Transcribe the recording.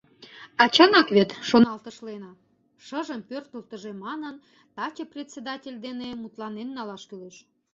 «А чынак вет, — шоналтыш Лена, — шыжым пӧртылтыжӧ манын, таче председатель дене мутланен налаш кӱлеш.